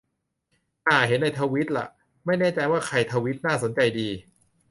อ่า เห็นในทวีตละ ไม่แน่ใจว่าใครทวีต น่าสนใจดี